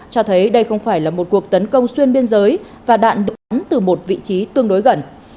cho thấy đây không phải là một cuộc tấn công xuyên biên giới và đạn bắn từ một vị trí tương đối gần